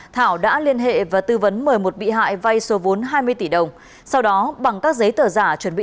thảo đã liên hệ và tư vấn mời một bị hại